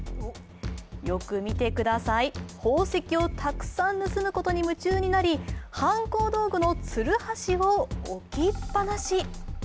よく見てください、宝石をたくさん盗むことに夢中になり犯行道具のつるはしを置きっぱなし。